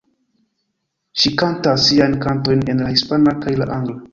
Ŝi kantas siajn kantojn en la hispana kaj la angla.